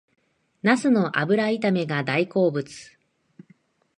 ナスの油炒めが大好物